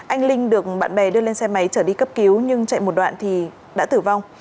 anh linh được bạn bè đưa lên xe máy trở đi cấp cứu nhưng chạy một đoạn thì đã tử vong